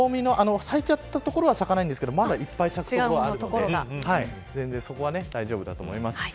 咲いちゃったところは咲かないんですけどまだいっぱい咲く所はあるので全然そこは大丈夫だと思います。